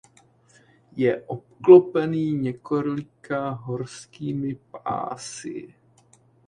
Je obklopený několika horskými pásy.